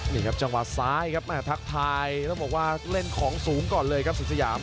นี่ครับจังหวะซ้ายครับแม่ทักทายต้องบอกว่าเล่นของสูงก่อนเลยครับสุดสยาม